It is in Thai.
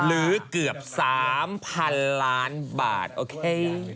หรือเกือบ๓๐๐๐ล้านบาทโอเค